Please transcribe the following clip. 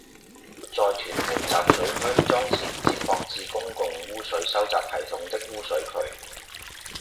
在屯門集水區裝設接駁至公共污水收集系統的污水渠